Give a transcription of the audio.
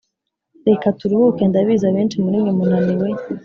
reka turuhuke ndabizi abenshi muri mwe munaniwe